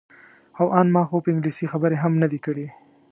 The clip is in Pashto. او ان ما خو په انګلیسي خبرې هم نه دي کړې.